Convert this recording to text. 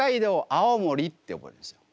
青森って覚えるんですよ。